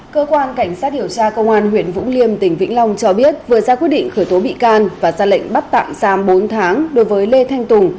cơ quan cảnh sát điều tra công an huyện vũng liêm tỉnh vĩnh long cho biết vừa ra quyết định khởi tố bị can và ra lệnh bắt tạm giam bốn tháng đối với lê thanh tùng